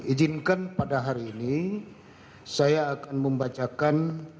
jadi izinkan pada hari ini saya akan membacakan